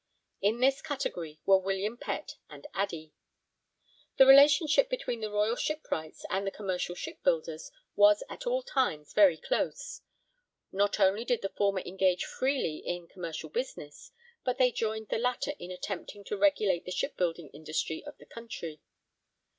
In this category were William Pett and Addey. The relationship between the royal shipwrights and the commercial shipbuilders was at all times very close. Not only did the former engage freely in commercial business, but they joined the latter in attempting to regulate the shipbuilding industry of the country.